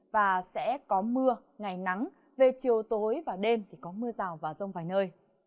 và sẽ có mưa ngày nắng về chiều tối và đêm thì có mưa rào và rông vài nơi